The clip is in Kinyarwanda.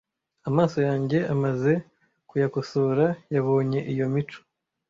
amaso yanjye amaze kuyakosora yabonye iyo mico